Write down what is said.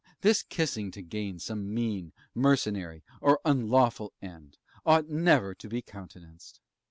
this kissing to gain some mean, mercenary, or unlawful end, ought never to be countenanced.